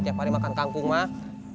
tiap hari makan kangkung mah